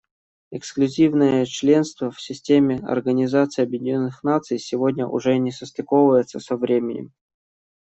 Эксклюзивное членство в системе Организации Объединенных Наций сегодня уже не состыковывается со временем.